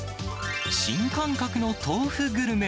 新感覚の豆腐グルメ、